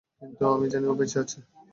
কিন্তু, আমি জানি ও বেঁচে আছে!